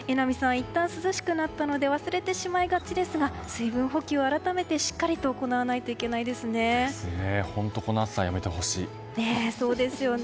いったん涼しくなったので忘れてしまいがちですが水分補給を改めてしっかりと本当にこの暑さそうですよね。